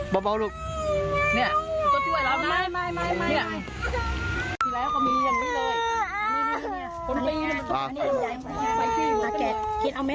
เบาลูกเบา